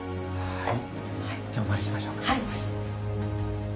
はい。